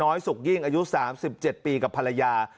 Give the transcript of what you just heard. สุกยิ่งอายุ๓๗ปีกับภรรยา